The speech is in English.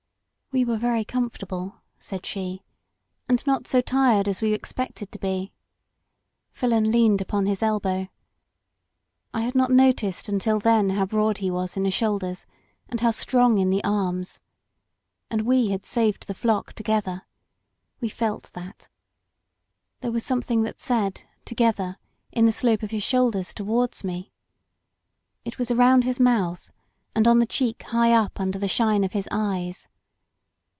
"We were very comfortable," said she, "and not so tired as we expected to be. Filon leaned up on his elbow. I had not noticed until then how broad he was in the shoulders, and how strong in the arms. And we had saved the flock together. We felt that. There was some thing that said together, in the slope of his shoulders toward me. It was aroimd his mouth and on the cheek high up imder the shine of his eyes.